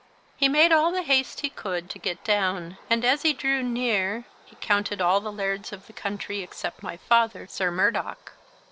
He made all the haste he could to get down; and as he drew near the counted all the lairds of the country except my father, Sir Murdoch.